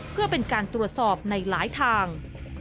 เพื่อเป็นการตรวจสอบในหลายทาง